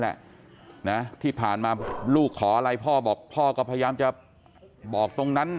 แหละนะที่ผ่านมาลูกขออะไรพ่อบอกพ่อก็พยายามจะบอกตรงนั้น